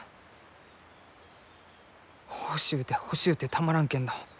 欲しゅうて欲しゅうてたまらんけんど